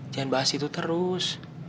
jangan bahas itu terus